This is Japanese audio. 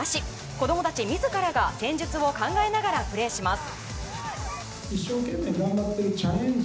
子供たち自らが戦術を考えながらプレーします。